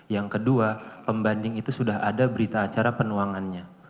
yang kedua pembanding itu sudah ada berita acara penuangannya